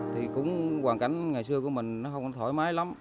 thì cũng hoàn cảnh ngày xưa của mình nó không thoải mái lắm